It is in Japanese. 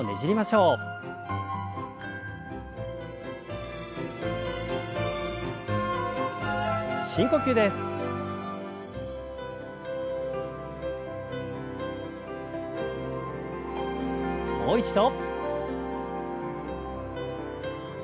もう一度。